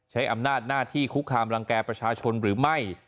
ใช้อำนาจหน้าที่คุกคามรังแก่ประชาชนหรือไม่